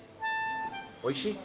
おいしい？